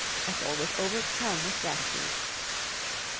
Ethel was overcome with gratitude.